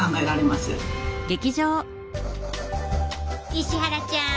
石原ちゃん。